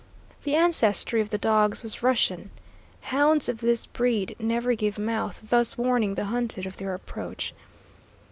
The ancestry of the dogs was Russian. Hounds of this breed never give mouth, thus warning the hunted of their approach.